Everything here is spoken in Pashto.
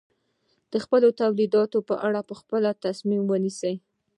د خپلو تولیداتو په اړه په خپله تصمیم ونیسي.